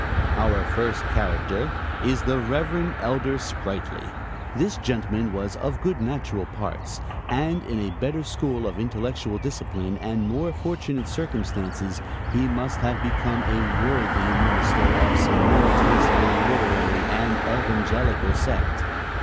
Our first character, is the Reverend Elder Sprightly. This gentleman was of good natural parts; and in a better school of intellectual discipline and more fortunate circumstances, he must have become a worthy minister of some more tasteful, literary and evangelical sect.